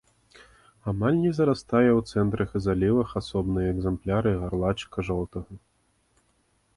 Амаль не зарастае, у цэнтры і залівах асобныя экзэмпляры гарлачыка жоўтага.